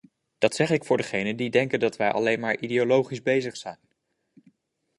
Dat zeg ik voor degenen die denken dat wij alleen maar ideologisch bezig zijn.